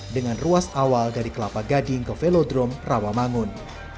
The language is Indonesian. dengan ruas awal dari kelapa gading ke velodrome rawamangun